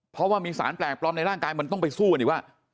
เพราะว่ามีสารแปลกปลอมในร่างกายมันต้องไปสู้กันอีกว่า